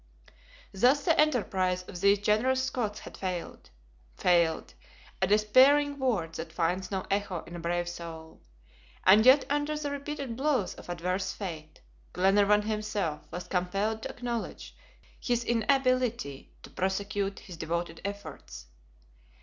Thus the enterprise of these generous Scots had failed! Failed! a despairing word that finds no echo in a brave soul; and yet under the repeated blows of adverse fate, Glenarvan himself was compelled to acknowledge his inability to prosecute his devoted efforts.